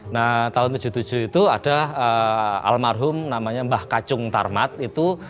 nah tahun seribu sembilan ratus tujuh puluh tujuh itu ada almarhum namanya mbah kacung tarmat itu